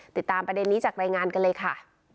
ติดตามประเด็นนี้จากรายงานกันเลยค่ะ